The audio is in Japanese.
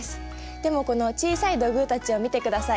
でもこの小さい土偶たちを見てください。